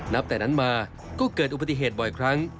แต่นั้นมาก็เกิดอุบัติเหตุบ่อยครั้ง